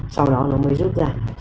sau đó nó mới rút ra